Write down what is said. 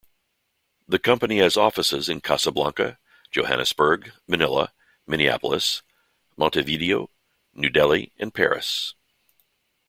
The company has offices in Casablanca, Johannesburg, Manila, Minneapolis, Montevideo, New Delhi and Paris.